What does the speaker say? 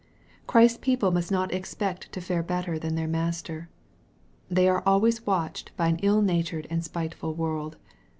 Christ's people must not expect to fare better than their Master. They are always watched by an ill natured and spiteful world.